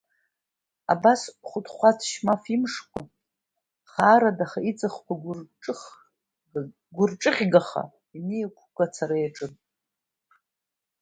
Абас Хәыҭхәыҭ Шьмаф имшқәа хаарадаха, иҵхқәа гәырҿыӷьгаха иниакәкәа ацара иаҿын.